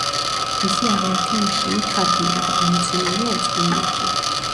მისი არაერთი ნაშრომი თარგმნილი და გამოცემულია უცხო ენებზე.